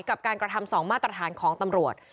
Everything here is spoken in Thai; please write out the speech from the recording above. กับการกระทำ๒มาตรฐานของตำรวจ